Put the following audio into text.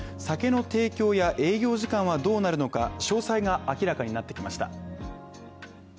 酒の提供や営業時間はどうなるのか、詳細が明らかになってきました。